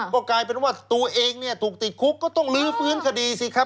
ก็กลายเป็นว่าตัวเองเนี่ยถูกติดคุกก็ต้องลื้อฟื้นคดีสิครับ